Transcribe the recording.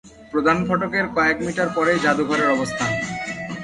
প্রধান ফটকের কয়েক মিটার পরেই জাদুঘরের অবস্থান।